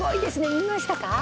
見ましたか？